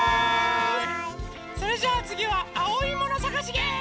それじゃあつぎはあおいものさがしゲーム！